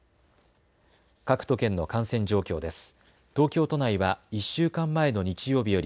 各都県の感染状況です。